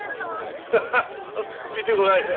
フハハッ見てごらんよ！